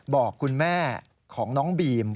บอกคุณแม่ของน้องบีม